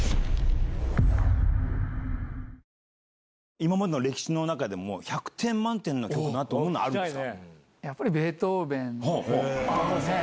今までの歴史の中でも、１００点満点の曲なんていうものはあるんですか？